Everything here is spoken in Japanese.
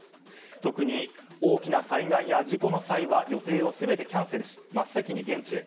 特に大きな災害や事故の際は予定を全てキャンセルし真っ先に現地へ。